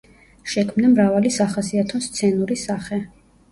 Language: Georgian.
შექმნა მრავალი სახასიათო სცენური სახე.